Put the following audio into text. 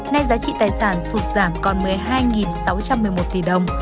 nay giá trị tài sản sụt giảm còn một mươi hai sáu trăm một mươi một tỷ đồng